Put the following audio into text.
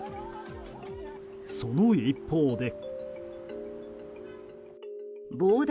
その一方で。